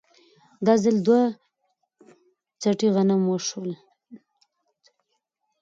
دا ځل دوه څټې غنم وشول